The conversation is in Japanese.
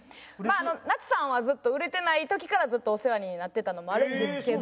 なつさんはずっと売れてない時からずっとお世話になってたのもあるんですけど。